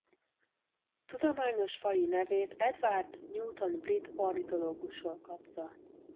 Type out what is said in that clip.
Tudományos faji nevét Edward Newton brit ornitológusról kapta.